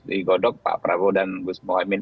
digodok pak prabowo dan gus mohaimin